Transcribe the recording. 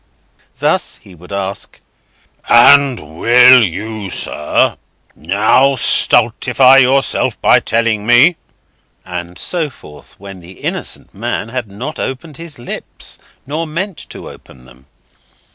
Thus, he would ask: "And will you, sir, now stultify yourself by telling me"—and so forth, when the innocent man had not opened his lips, nor meant to open them.